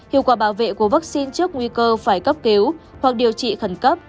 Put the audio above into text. hiệu quả bảo vệ của vaccine trước nguy cơ phải cấp cứu hoặc điều trị khẩn cấp